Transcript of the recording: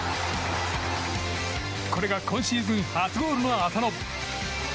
これが今シーズン初ゴールの浅野。